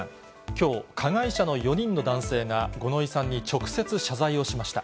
きょう、加害者の４人の男性が五ノ井さんに直接謝罪をしました。